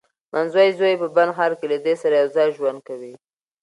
منځوی زوی یې په بن ښار کې له دې سره یوځای ژوند کوي.